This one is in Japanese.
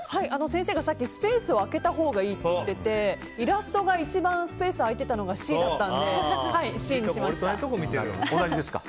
先生がさっきスペースを開けたほうがいいって言っていてイラストが一番スペースが開いていたのがＣだったので小木さんは同じですか。